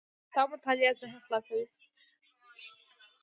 د کتاب مطالعه ذهن خلاصوي.